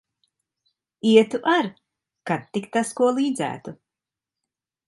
Ietu ar, kad tik tas ko līdzētu.